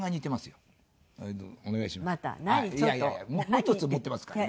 もう１つ持ってますから。